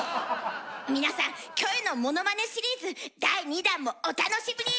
皆さんキョエのものまねシリーズ第２弾もお楽しみに！